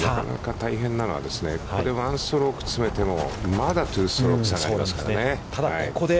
大変なのは、１ストローク詰めても、まだ２ストローク差がありますからね。